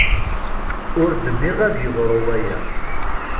Ur dmiɣ ad yeḍru waya.